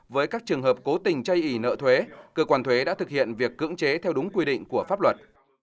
với các trường hợp cố tình chây ý nợ thuế cơ quan thuế đã thực hiện việc cưỡng chế theo đúng quy định của pháp luật